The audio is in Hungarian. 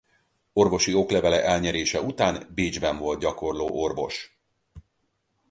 Orvosi oklevele elnyerése után Bécsben volt gyakorló orvos.